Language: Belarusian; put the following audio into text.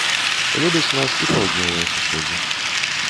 Любяць нас і паўднёвыя суседзі.